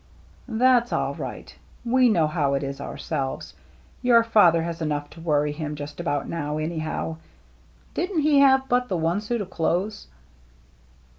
" That's all right. We know how it is our selves. Your father has enough to worry him just about now, anyhow. Didn't he have but the one suit of clothes